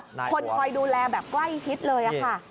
คนคอยดูแลแบบใกล้ชิดเลยค่ะ